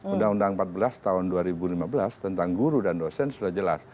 undang undang empat belas tahun dua ribu lima belas tentang guru dan dosen sudah jelas